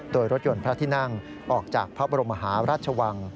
โดยรถยนต์พระที่นั่งออกจากพระบรมหาราชวัง